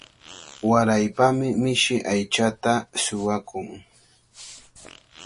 Waraypami mishi aychata suwakun.